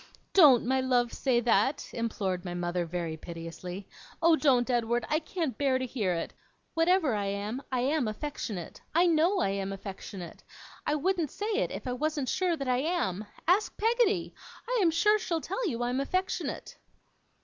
'Don't, my love, say that!' implored my mother very piteously. 'Oh, don't, Edward! I can't bear to hear it. Whatever I am, I am affectionate. I know I am affectionate. I wouldn't say it, if I wasn't sure that I am. Ask Peggotty. I am sure she'll tell you I'm affectionate.